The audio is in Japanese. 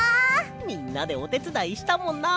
みんなでおてつだいしたもんな。